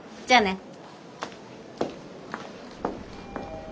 じゃあね。